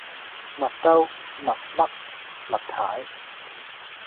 麥兜，麥嘜，麥太